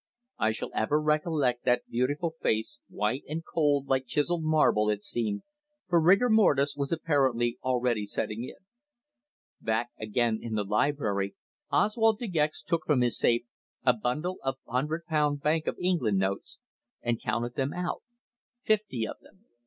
I shall ever recollect that beautiful face, white and cold like chiselled marble it seemed, for rigor mortis was apparently already setting in. Back again in the library Oswald De Gex took from his safe a bundle of hundred pound Bank of England notes, and counted them out fifty of them.